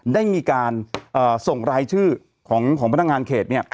ได้มีการส่งรายชื่อของพนักงานเขต